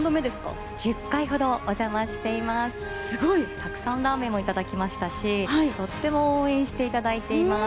たくさんラーメンも頂きましたしとっても応援していただいています。